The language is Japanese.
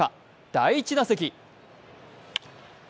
第１打席。